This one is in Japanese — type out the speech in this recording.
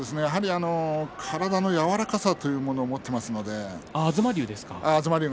体の柔らかさというものを持っていますので東龍は。